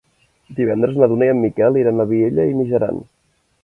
Divendres na Duna i en Miquel iran a Vielha e Mijaran.